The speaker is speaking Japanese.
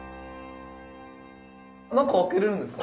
中開けれるんですか？